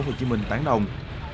của hồ chí minh tán đồng